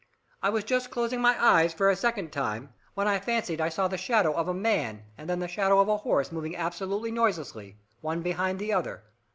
I was just closing my eyes for a second time when I fancied I saw the shadow of a man and then the shadow of a horse moving absolutely noiselessly, one behind the other.